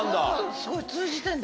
すごい通じてんだ。